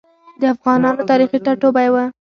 د افغانانو تاریخي ټاټوبی و.